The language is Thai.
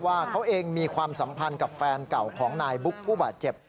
ว่าเขาเองมีความสัมพันธ์กับแฟนเก่าของนายบุ๊กผู้บาดเจ็บ